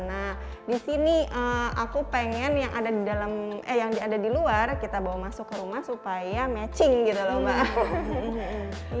nah di sini aku pengen yang ada di luar kita bawa masuk ke rumah supaya matching gitu loh mbak